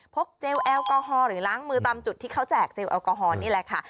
เจลแอลกอฮอล์หรือล้างมือตามจุดที่เขาแจกเจลแอลกอฮอลนี่แหละค่ะ